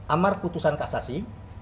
amar putusan kasasi